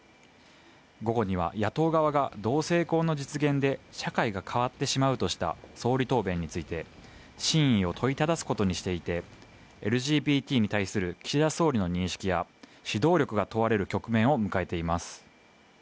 午後には野党側が同性婚の実現で社会が変わってしまうとした総理答弁について真意を問いただすことにしていてＬＧＢＴに対する岸田総理の認識や指導力が問われる局面を迎えています